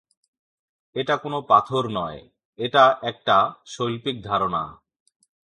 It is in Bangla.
এটা কোন পাথর নয়- এটা একটা শৈল্পিক ধারণা।